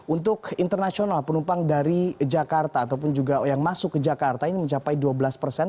untuk internasional penumpang dari jakarta ataupun juga yang masuk ke jakarta ini mencapai dua belas persen